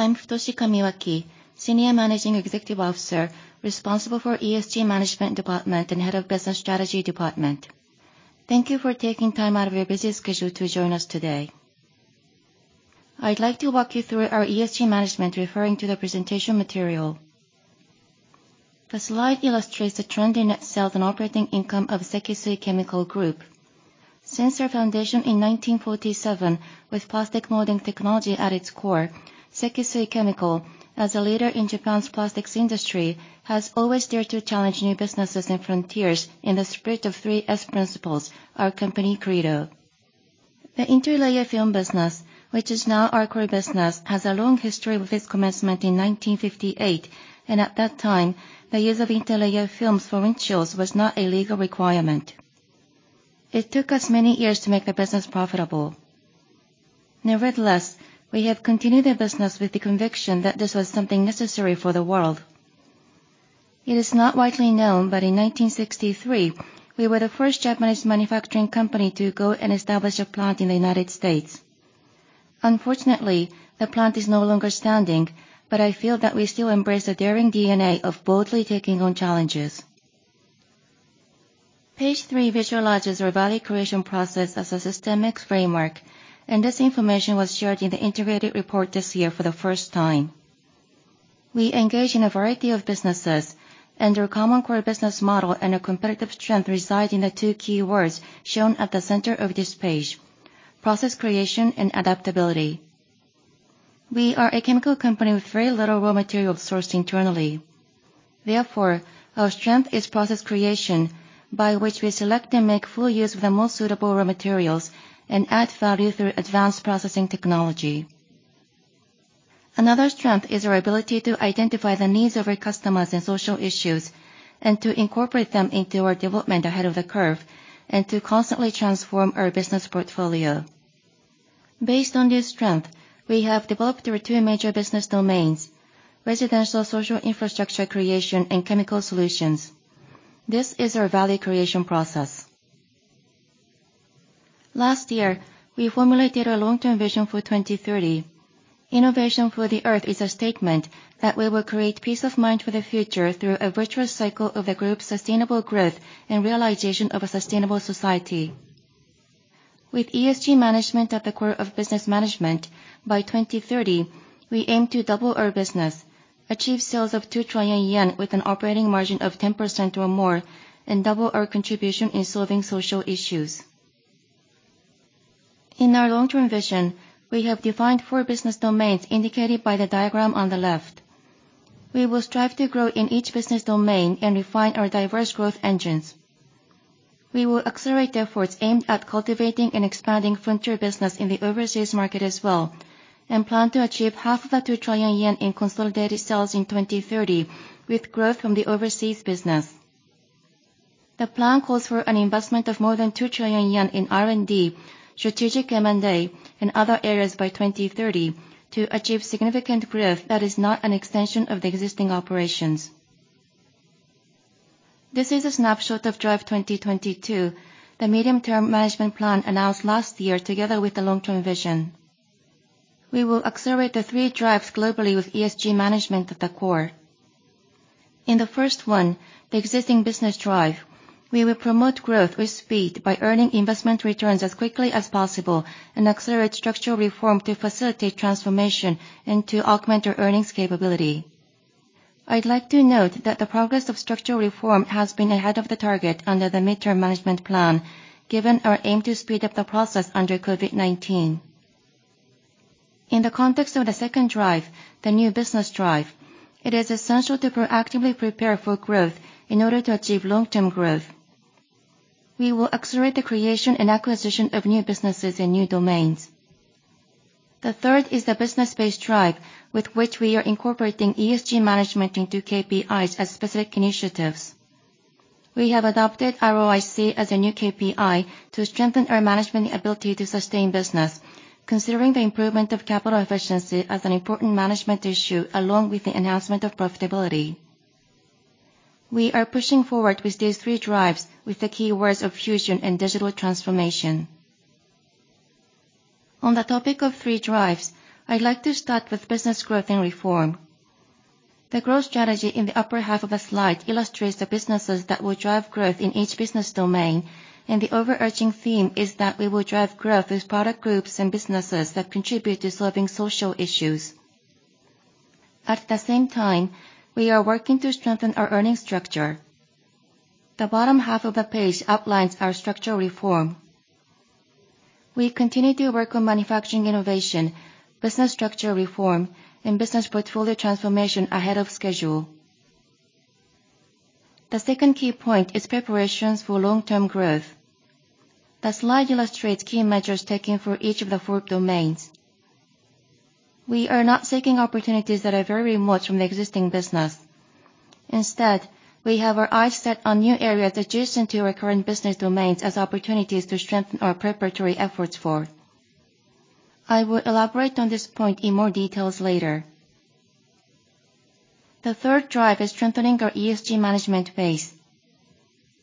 I'm Futoshi Kamiwaki, Senior Managing Executive Officer responsible for ESG Management Department and Head of Business Strategy Department. Thank you for taking time out of your busy schedule to join us today. I'd like to walk you through our ESG management, referring to the presentation material. The slide illustrates the trend in itself and operating income of SEKISUI CHEMICAL Group. Since our foundation in 1947, with plastic molding technology at its core, SEKISUI CHEMICAL, as a leader in Japan's plastics industry, has always dared to challenge new businesses and frontiers in the spirit of 3S Principles, our company credo. The interlayer film business, which is now our core business, has a long history with its commencement in 1958. At that time, the use of interlayer films for windshields was not a legal requirement. It took us many years to make the business profitable. Nevertheless, we have continued the business with the conviction that this was something necessary for the world. It is not widely known, but in 1963, we were the first Japanese manufacturing company to go and establish a plant in the United States. Unfortunately, the plant is no longer standing, but I feel that we still embrace the daring DNA of boldly taking on challenges. Page three visualizes our value creation process as a system mix framework, and this information was shared in the Integrated Report this year for the first time. We engage in a variety of businesses and their common core business model, and a competitive strength reside in the two key words shown at the center of this page, process creation and adaptability. We are a chemical company with very little raw material sourced internally. Therefore, our strength is process creation, by which we select and make full use of the most suitable raw materials and add value through advanced processing technology. Another strength is our ability to identify the needs of our customers and social issues, and to incorporate them into our development ahead of the curve, and to constantly transform our business portfolio. Based on this strength, we have developed our two major business domains, Residential Social Infrastructure Creation and Chemical Solutions. This is our value creation process. Last year, we formulated our long-term vision for 2030. "Innovation for the Earth" is a statement that we will create peace of mind for the future through a virtuous cycle of the group's sustainable growth and realization of a sustainable society. With ESG management at the core of business management, by 2030 we aim to double our business, achieve sales of 2 trillion yen with an operating margin of 10% or more, and double our contribution in solving social issues. In our long-term vision, we have defined four business domains indicated by the diagram on the left. We will strive to grow in each business domain and refine our diverse growth engines. We will accelerate the efforts aimed at cultivating and expanding frontier business in the overseas market as well, and plan to achieve half of the 2 trillion yen in consolidated sales in 2030 with growth from the overseas business. The plan calls for an investment of more than 2 trillion yen in R&D, strategic M&A, and other areas by 2030 to achieve significant growth that is not an extension of the existing operations. This is a snapshot of Drive 2022, the Medium-term Management Plan announced last year together with the Long-term Vision. We will accelerate the three drives globally with ESG management at the core. In the first one, the Existing Business Drive, we will promote growth with speed by earning investment returns as quickly as possible and accelerate structural reform to facilitate transformation into augmented earnings capability. I'd like to note that the progress of structural reform has been ahead of the target under the medium-term management plan, given our aim to speed up the process under COVID-19. In the context of the second drive, the New Business Drive, it is essential to proactively prepare for growth in order to achieve long-term growth. We will accelerate the creation and acquisition of new businesses in new domains. The third is the Business Base Drive, with which we are incorporating ESG management into KPIs as specific initiatives. We have adopted ROIC as a new KPI to strengthen our management ability to sustain business, considering the improvement of capital efficiency as an important management issue, along with the enhancement of profitability. We are pushing forward with these three drives with the key words of fusion and digital transformation. On the topic of three drives, I'd like to start with business growth and reform. The growth strategy in the upper half of the slide illustrates the businesses that will drive growth in each business domain, and the overarching theme is that we will drive growth with product groups and businesses that contribute to solving social issues. At the same time, we are working to strengthen our earnings structure. The bottom half of the page outlines our structural reform. We continue to work on manufacturing innovation, business structure reform, and business portfolio transformation ahead of schedule. The second key point is preparations for long-term growth. The slide illustrates key measures taken for each of the four domains. We are not seeking opportunities that are very remote from the existing business. Instead, we have our eyes set on new areas adjacent to our current business domains as opportunities to strengthen our preparatory efforts for. I will elaborate on this point in more details later. The third drive is strengthening our ESG management base.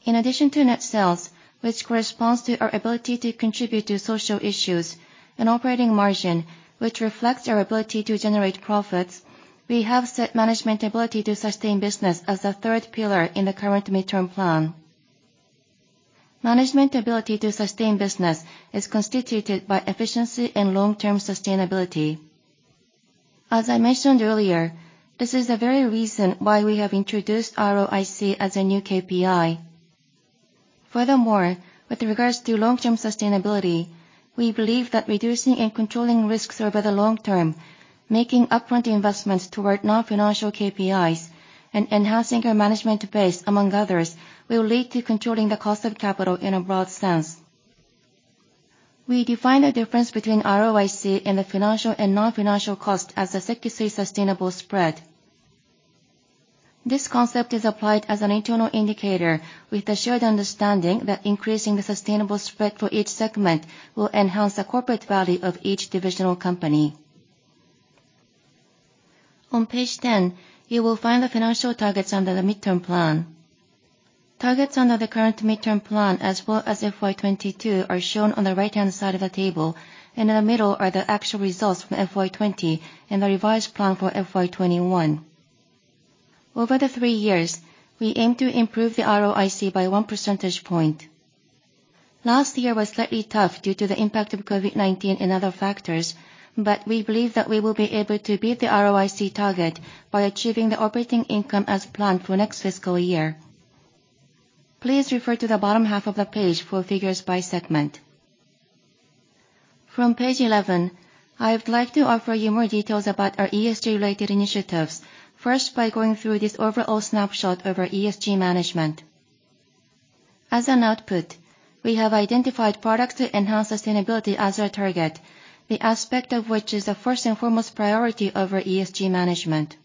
In addition to net sales, which corresponds to our ability to contribute to social issues, and operating margin, which reflects our ability to generate profits, we have set management ability to sustain business as the third pillar in the current midterm plan. Management ability to sustain business is constituted by efficiency and long-term sustainability. As I mentioned earlier, this is the very reason why we have introduced ROIC as a new KPI. Furthermore, with regards to long-term sustainability, we believe that reducing and controlling risks over the long term, making upfront investments toward non-financial KPIs, and enhancing our management base, among others, will lead to controlling the cost of capital in a broad sense. We define the difference between ROIC and the financial and non-financial cost as the SEKISUI Sustainable Spread. This concept is applied as an internal indicator with the shared understanding that increasing the Sustainable Spread for each segment will enhance the corporate value of each divisional company. On page 10, you will find the financial targets under the midterm plan. Targets under the current midterm plan, as well as FY 2022, are shown on the right-hand side of the table, and in the middle are the actual results from FY 2020 and the revised plan for FY 2021. Over the three years, we aim to improve the ROIC by 1 percentage point. Last year was slightly tough due to the impact of COVID-19 and other factors, but we believe that we will be able to beat the ROIC target by achieving the operating income as planned for next fiscal year. Please refer to the bottom half of the page for figures by segment. From page 11, I would like to offer you more details about our ESG-related initiatives, first by going through this overall snapshot of our ESG management. As an output, we have identified Products to Enhance Sustainability as our target, the aspect of which is the first and foremost priority of our ESG management.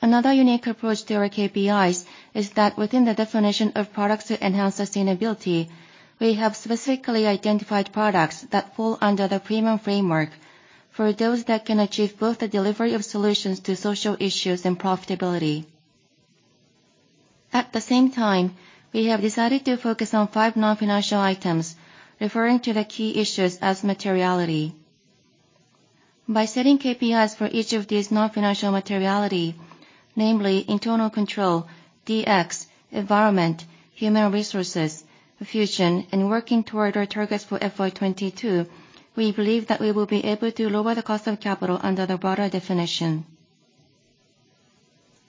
Another unique approach to our KPIs is that within the definition of Products to Enhance Sustainability, we have specifically identified products that fall under the Premium Framing for those that can achieve both the delivery of solutions to social issues and profitability. At the same time, we have decided to focus on five non-financial items, referring to the key issues as materiality. By setting KPIs for each of these non-financial materiality, namely internal control, DX, environment, human resources, fusion, and working toward our targets for FY 2022, we believe that we will be able to lower the cost of capital under the broader definition.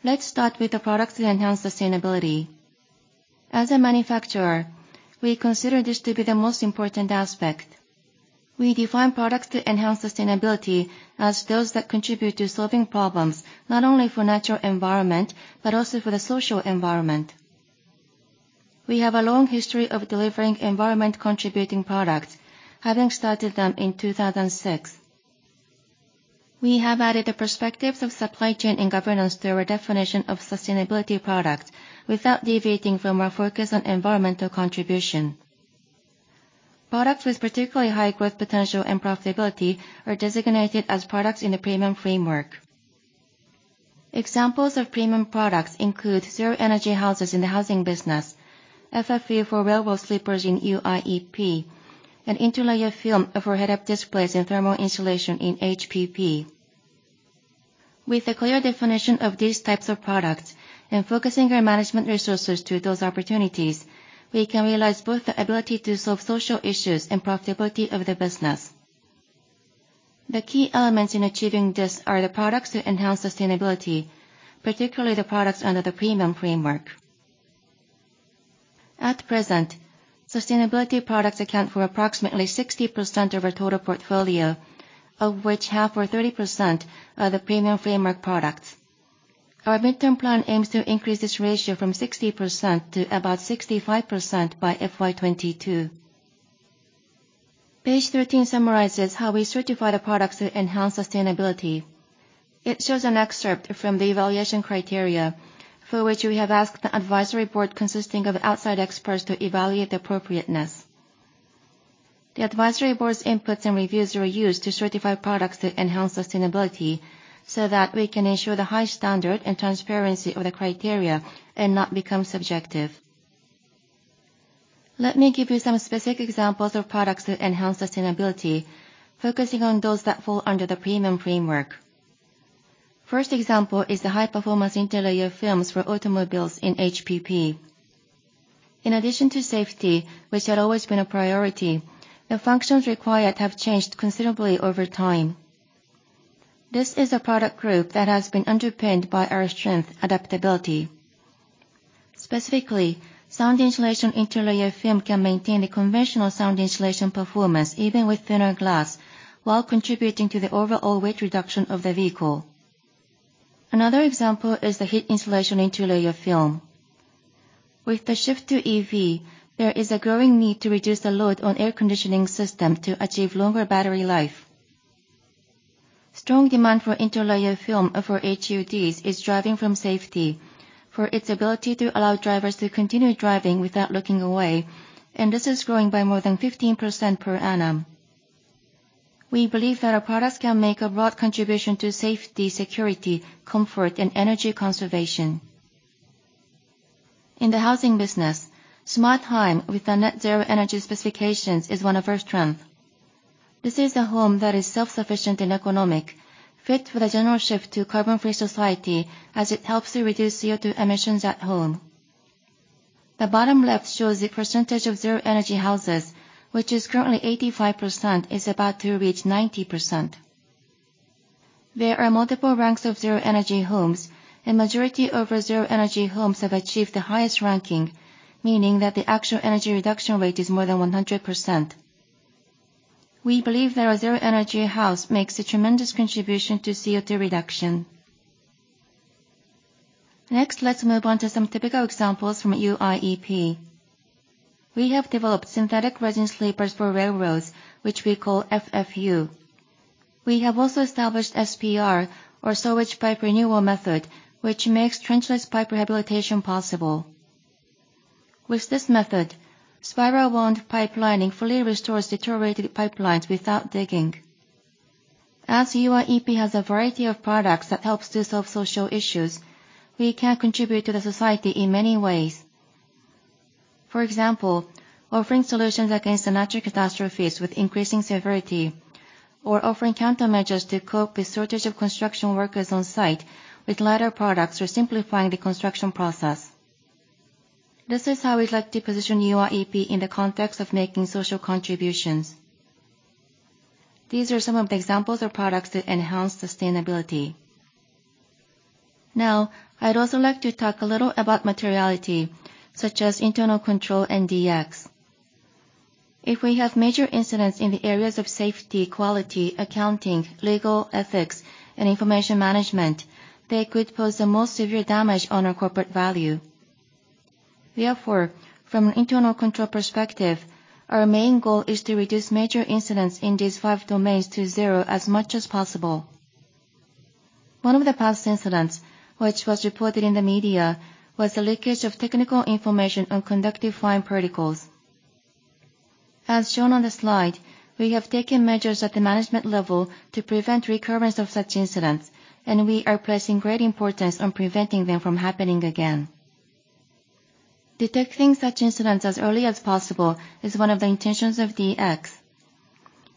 Let's start with the Products to Enhance Sustainability. As a manufacturer, we consider this to be the most important aspect. We define Products to Enhance Sustainability as those that contribute to solving problems, not only for natural environment, but also for the social environment. We have a long history of delivering environment contributing products, having started them in 2006. We have added the perspectives of supply chain and governance to our definition of sustainability products without deviating from our focus on environmental contribution. Products with particularly high growth potential and profitability are designated as products in the Premium Framing. Examples of premium products include Zero Energy Houses in the housing business, FFU for railway sleepers in UIEP, and interlayer film for head-up displays and thermal insulation in HPP. With a clear definition of these types of products and focusing our management resources to those opportunities, we can realize both the ability to solve social issues and profitability of the business. The key elements in achieving this are the Products to Enhance Sustainability, particularly the products under the Premium Framing. At present, sustainability products account for approximately 60% of our total portfolio, of which half or 30% are the Premium Framing products. Our midterm plan aims to increase this ratio from 60% to about 65% by FY 2022. Page 13 summarizes how we certify the Products to Enhance Sustainability. It shows an excerpt from the evaluation criteria for which we have asked the advisory board consisting of outside experts to evaluate appropriateness. The advisory board's inputs and reviews are used to certify products that enhance sustainability, so that we can ensure the high standard and transparency of the criteria and not become subjective. Let me give you some specific examples of products that enhance sustainability, focusing on those that fall under the Premium Framing. First example is the high-performance interlayer films for automobiles in HPP. In addition to safety, which had always been a priority, the functions required have changed considerably over time. This is a product group that has been underpinned by our strength, adaptability. Specifically, sound insulation interlayer film can maintain the conventional sound insulation performance, even with thinner glass, while contributing to the overall weight reduction of the vehicle. Another example is the heat insulation interlayer film. With the shift to EV, there is a growing need to reduce the load on air conditioning systems to achieve longer battery life. Strong demand for interlayer film for HUDs is driven by safety for its ability to allow drivers to continue driving without looking away, and this is growing by more than 15% per annum. We believe that our products can make a broad contribution to safety, security, comfort, and energy conservation. In the housing business, SMART HEIM with a Net Zero Energy specifications is one of our strengths. This is the home that is self-sufficient and economic, fit for the general shift to carbon-free society as it helps to reduce CO2 emissions at home. The bottom left shows the percentage of Zero Energy Houses, which is currently 85%, is about to reach 90%. There are multiple ranks of zero-energy homes, and majority of our zero-energy homes have achieved the highest ranking, meaning that the actual energy reduction rate is more than 100%. We believe that our zero energy house makes a tremendous contribution to CO2 reduction. Next, let's move on to some typical examples from UIEP. We have developed synthetic resin sleepers for railroads, which we call FFU. We have also established SPR, or sewage pipe renewal method, which makes trenchless pipe rehabilitation possible. With this method, spiral wound pipelining fully restores deteriorated pipelines without digging. As UIEP has a variety of products that helps to solve social issues, we can contribute to the society in many ways. For example, offering solutions against the natural catastrophes with increasing severity or offering countermeasures to cope with shortage of construction workers on site with lighter products for simplifying the construction process. This is how we'd like to position UIEP in the context of making social contributions. These are some of the examples of products that enhance sustainability. Now, I'd also like to talk a little about materiality, such as Internal Control and DX. If we have major incidents in the areas of safety, quality, accounting, legal, ethics, and information management, they could pose the most severe damage on our corporate value. Therefore, from an internal control perspective, our main goal is to reduce major incidents in these five domains to zero as much as possible. One of the past incidents, which was reported in the media, was the leakage of technical information on conductive fine particles. As shown on the slide, we have taken measures at the management level to prevent recurrence of such incidents, and we are placing great importance on preventing them from happening again. Detecting such incidents as early as possible is one of the intentions of DX.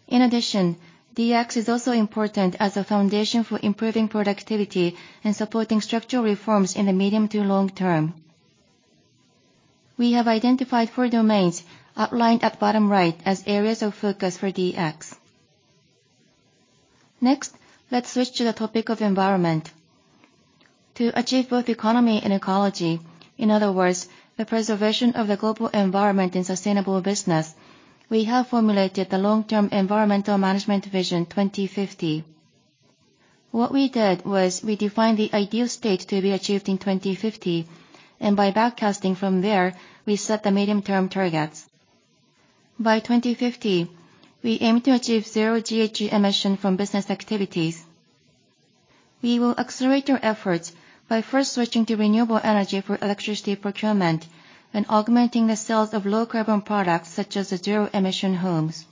In addition, DX is also important as a foundation for improving productivity and supporting structural reforms in the medium to long term. We have identified four domains outlined at bottom right as areas of focus for DX. Next, let's switch to the topic of environment. To achieve both economy and ecology, in other words, the preservation of the global environment and sustainable business, we have formulated the Long-term Environmental Management Vision 2050. What we did was we defined the ideal state to be achieved in 2050, and by back casting from there, we set the medium-term targets. By 2050, we aim to achieve zero GHG emission from business activities. We will accelerate our efforts by first switching to renewable energy for electricity procurement and augmenting the sales of low carbon products, such as the zero-emission homes.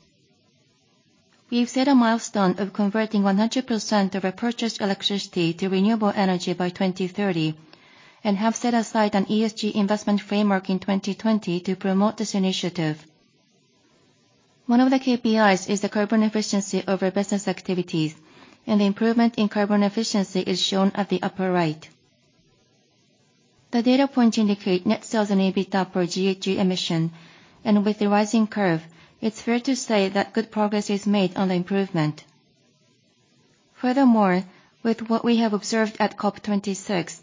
We've set a milestone of converting 100% of our purchased electricity to renewable energy by 2030 and have set aside an ESG investment framework in 2020 to promote this initiative. One of the KPIs is the carbon efficiency of our business activities, and the improvement in carbon efficiency is shown at the upper right. The data points indicate net sales and EBITDA per GHG emission. With the rising curve, it's fair to say that good progress is made on the improvement. Furthermore, with what we have observed at COP26,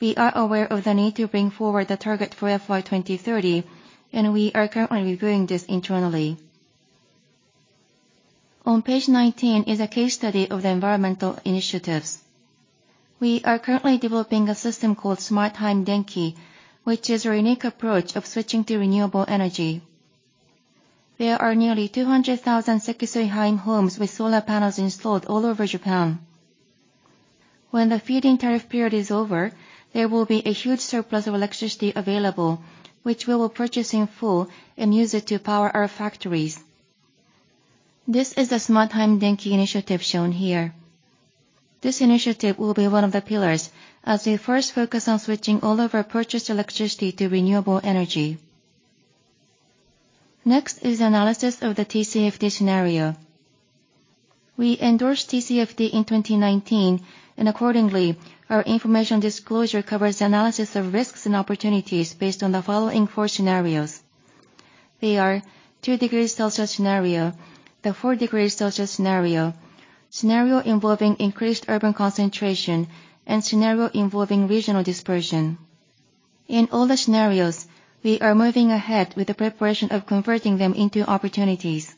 we are aware of the need to bring forward the target for FY 2030, and we are currently reviewing this internally. On page 19 is a case study of the environmental initiatives. We are currently developing a system called SMARTHEIM DENKI, which is a unique approach of switching to renewable energy. There are nearly 200,000 SEKISUI HEIM homes with solar panels installed all over Japan. When the feed-in tariff period is over, there will be a huge surplus of electricity available, which we will purchase in full and use it to power our factories. This is the SMARTHEIM DENKI initiative shown here. This initiative will be one of the pillars as we first focus on switching all of our purchased electricity to renewable energy. Next is analysis of the TCFD scenario. We endorsed TCFD in 2019, and accordingly, our information disclosure covers the analysis of risks and opportunities based on the following four scenarios. They are two degrees Celsius scenario, the four degrees Celsius scenario involving increased urban concentration, and scenario involving regional dispersion. In all the scenarios, we are moving ahead with the preparation of converting them into opportunities.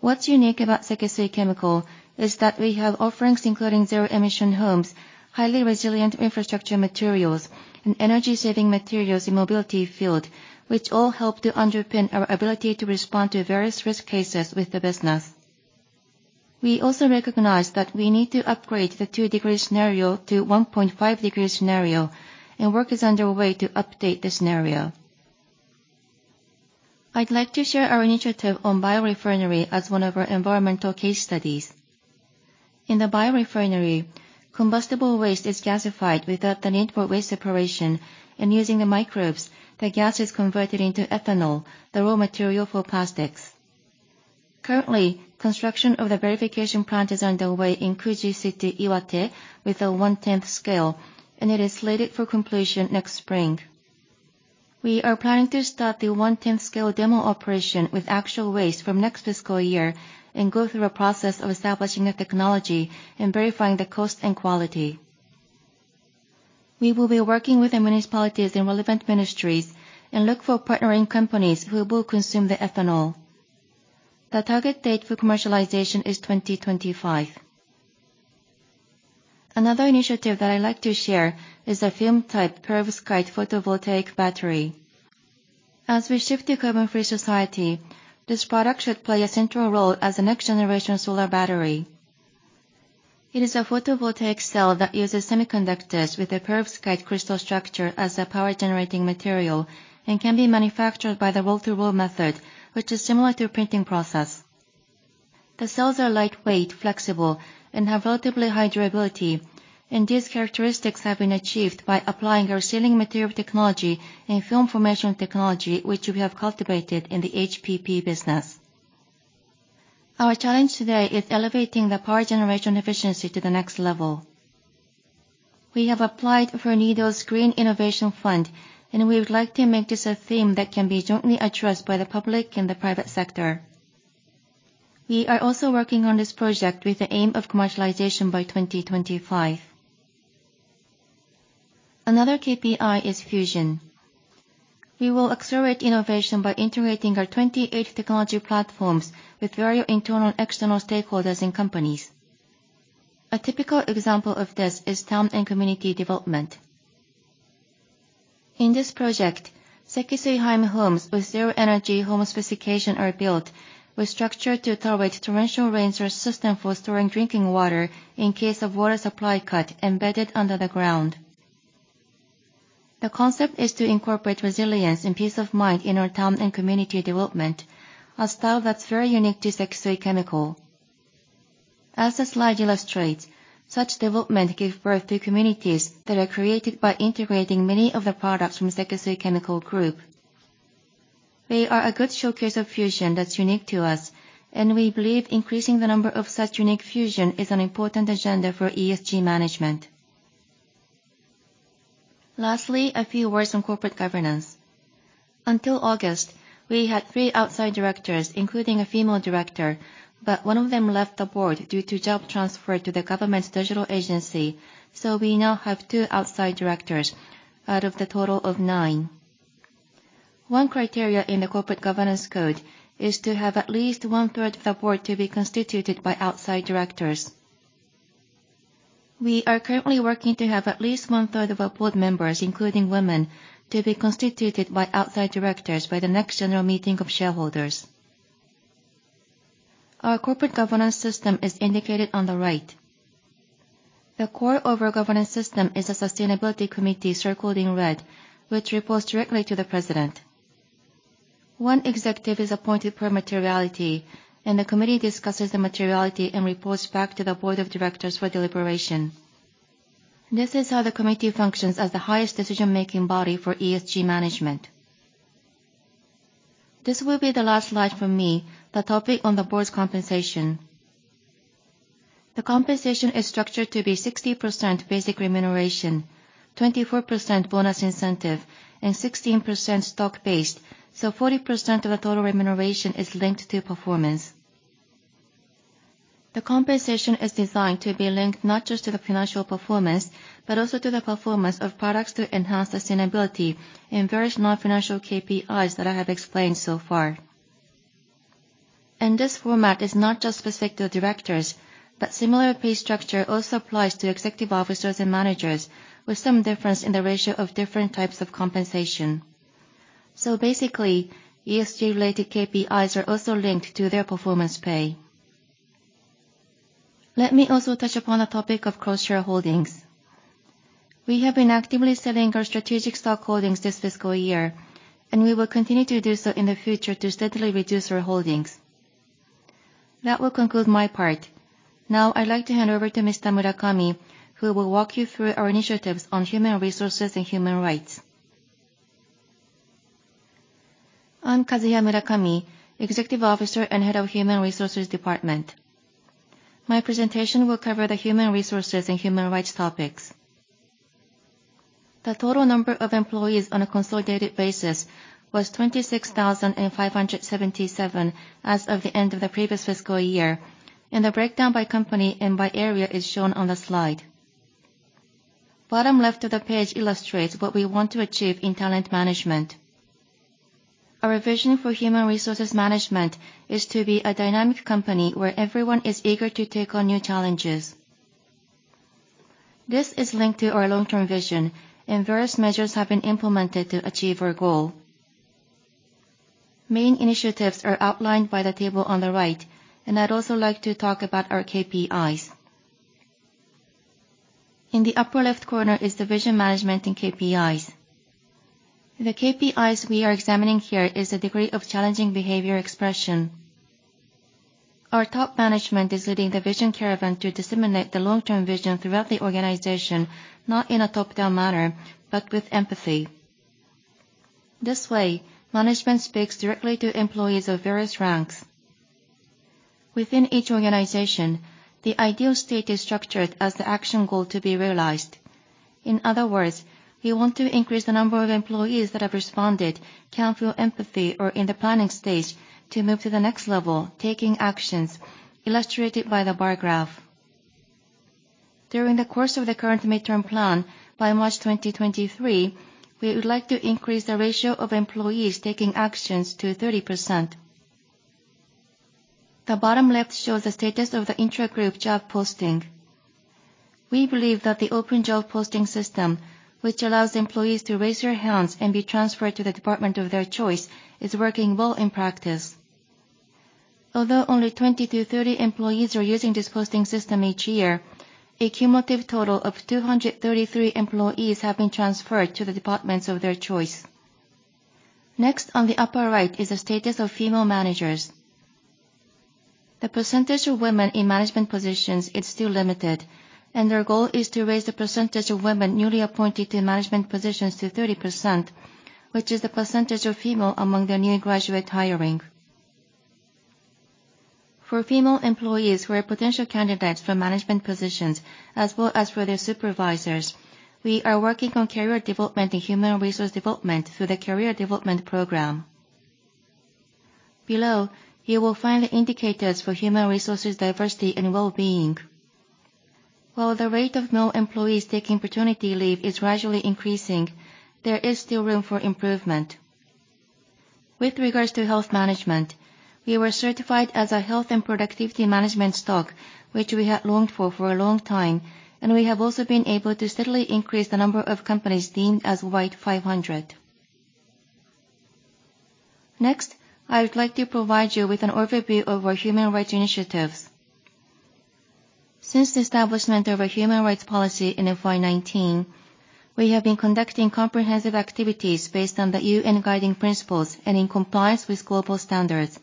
What's unique about SEKISUI CHEMICAL is that we have offerings including zero-emission homes, highly resilient infrastructure materials, and energy-saving materials in mobility field, which all help to underpin our ability to respond to various risk cases with the business. We also recognize that we need to upgrade the two-degree scenario to 1.5-degree scenario, and work is underway to update the scenario. I'd like to share our initiative on biorefinery as one of our environmental case studies. In the biorefinery, combustible waste is gasified without the need for waste separation, and using the microbes, the gas is converted into ethanol, the raw material for plastics. Currently, construction of the verification plant is underway in Kuji City, Iwate, with a 1/10 scale, and it is slated for completion next spring. We are planning to start the 1/10 scale demo operation with actual waste from next fiscal year and go through a process of establishing the technology and verifying the cost and quality. We will be working with the municipalities and relevant ministries and look for partnering companies who will consume the ethanol. The target date for commercialization is 2025. Another initiative that I'd like to share is the film-type perovskite photovoltaic battery. As we shift to a carbon-free society, this product should play a central role as a next-generation solar battery. It is a photovoltaic cell that uses semiconductors with a perovskite crystal structure as a power-generating material and can be manufactured by the roll-to-roll method, which is similar to a printing process. The cells are lightweight, flexible, and have relatively high durability, and these characteristics have been achieved by applying our sealing material technology and film formation technology, which we have cultivated in the HPP business. Our challenge today is elevating the power generation efficiency to the next level. We have applied for NEDO's Green Innovation Fund, and we would like to make this a theme that can be jointly addressed by the public and the private sector. We are also working on this project with the aim of commercialization by 2025. Another KPI is fusion. We will accelerate innovation by integrating our 28 technology platforms with various internal and external stakeholders and companies. A typical example of this is town and community development. In this project, SEKISUI HEIM homes with Zero Energy Home specification are built with structure to tolerate torrential rain source system for storing drinking water in case of water supply cut embedded under the ground. The concept is to incorporate resilience and peace of mind in our town and community development, a style that's very unique to SEKISUI CHEMICAL. As the slide illustrates, such development give birth to communities that are created by integrating many of the products from SEKISUI CHEMICAL Group. They are a good showcase of fusion that's unique to us, and we believe increasing the number of such unique fusion is an important agenda for ESG management. Lastly, a few words on corporate governance. Until August, we had three Outside Directors, including a female director, but one of them left the board due to job transfer to the government's digital agency, so we now have two Outside Directors out of the total of nine. One criteria in the Corporate Governance Code is to have at least 1/3 Of the board to be constituted by Outside Directors. We are currently working to have at least 1/3 of our board members, including women, to be constituted by Outside Directors by the next general meeting of shareholders. Our Corporate Governance System is indicated on the right. The core of our governance system is a Sustainability Committee circled in red, which reports directly to the President. One executive is appointed per materiality, and the committee discusses the materiality and reports back to the Board of Directors for deliberation. This is how the committee functions as the highest decision-making body for ESG management. This will be the last slide from me, the topic on the board's compensation. The compensation is structured to be 60% basic remuneration, 24% bonus incentive, and 16% stock-based, so 40% of the total remuneration is linked to performance. The compensation is designed to be linked not just to the financial performance, but also to the performance of Products to Enhance Sustainability and various non-financial KPIs that I have explained so far. This format is not just specific to Directors, but similar pay structure also applies to Executive Officers and managers with some difference in the ratio of different types of compensation. Basically, ESG-related KPIs are also linked to their performance pay. Let me also touch upon the topic of cross-shareholdings. We have been actively selling our strategic stock holdings this fiscal year, and we will continue to do so in the future to steadily reduce our holdings. That will conclude my part. Now I'd like to hand over to Mr. Murakami, who will walk you through our initiatives on human resources and human rights. I'm Kazuya Murakami, Executive Officer and Head of Human Resources Department. My presentation will cover the human resources and human rights topics. The total number of employees on a consolidated basis was 26,577 as of the end of the previous fiscal year, and the breakdown by company and by area is shown on the slide. The bottom left of the page illustrates what we want to achieve in talent management. Our vision for human resources management is to be a dynamic company where everyone is eager to take on new challenges. This is linked to our long-term vision, and various measures have been implemented to achieve our goal. Main initiatives are outlined by the table on the right, and I'd also like to talk about our KPIs. In the upper left corner is the vision management and KPIs. The KPIs we are examining here is the degree of challenging behavior expression. Our top management is leading the vision caravan to disseminate the long-term vision throughout the organization, not in a top-down manner, but with empathy. This way, management speaks directly to employees of various ranks. Within each organization, the ideal state is structured as the action goal to be realized. In other words, we want to increase the number of employees that have responded, can feel empathy or in the planning stage to move to the next level, taking actions illustrated by the bar graph. During the course of the current midterm plan by March 2023, we would like to increase the ratio of employees taking actions to 30%. The bottom left shows the status of the intragroup job posting. We believe that the open job posting system, which allows employees to raise their hands and be transferred to the department of their choice, is working well in practice. Although only 20-30 employees are using this posting system each year, a cumulative total of 233 employees have been transferred to the departments of their choice. Next, on the upper right is the status of female managers. The percentage of women in management positions is still limited, and their goal is to raise the percentage of women newly appointed to management positions to 30%, which is the percentage of female among the new graduate hiring. For female employees who are potential candidates for management positions as well as for their supervisors, we are working on career development and human resource development through the Career Development Program. Below, you will find the indicators for human resources diversity and well-being. While the rate of male employees taking paternity leave is gradually increasing, there is still room for improvement. With regards to health management, we were certified as a Health & Productivity Stock Selection, which we had longed for for a long time, and we have also been able to steadily increase the number of companies deemed as White 500. Next, I would like to provide you with an overview of our human rights initiatives. Since the establishment of a Human Rights Policy in FY 2019, we have been conducting comprehensive activities based on the UN Guiding Principles and in compliance with global standards.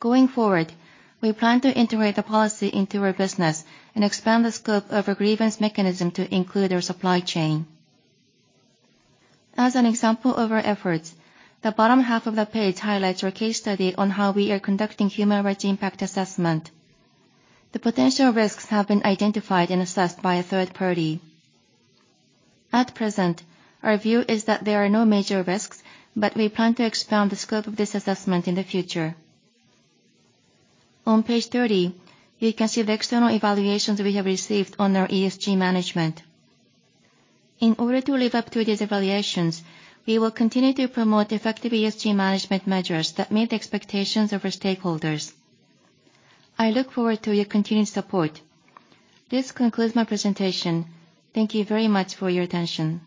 Going forward, we plan to integrate the policy into our business and expand the scope of a grievance mechanism to include our supply chain. As an example of our efforts, the bottom half of the page highlights our case study on how we are conducting human rights impact assessment. The potential risks have been identified and assessed by a third party. At present, our view is that there are no major risks, but we plan to expand the scope of this assessment in the future. On page 30, you can see the external evaluations we have received on our ESG management. In order to live up to these evaluations, we will continue to promote effective ESG management measures that meet the expectations of our stakeholders. I look forward to your continued support. This concludes my presentation. Thank you very much for your attention.